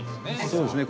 そうですね